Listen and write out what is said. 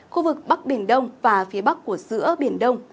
khu vực bắc biển đông và phía bắc của giữa biển đông